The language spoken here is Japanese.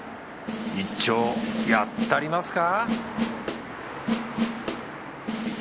一丁やったりますか